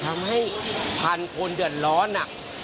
ทำให้ผ่านคนเดือดร้อนอ่ะ